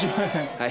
はい。